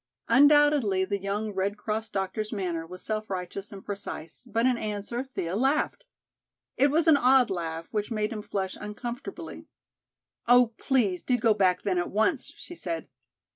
Undoubtedly the young Red Cross doctor's manner was self righteous and precise, but in answer Thea laughed. It was an odd laugh which made him flush uncomfortably. "Oh, please do go back then at once!" she said.